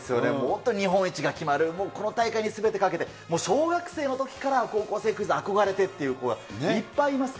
本当に日本一が決まる、この大会に全て懸けて、小学生のときから高校生クイズ憧れてっていう子がいっぱいいます